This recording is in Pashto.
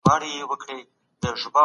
تاسو بايد د خپل ټولنې دردونه درک کړئ.